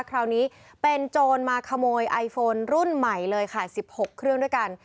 คราวนี้เป็นโจรมาขโมยไอโฟนรุ่นใหม่เลยค่ะ๑๖เครื่องด้วยกัน